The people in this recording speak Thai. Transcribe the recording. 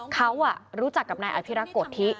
เขารู้จักกับนายอภิรักษ์โกธิ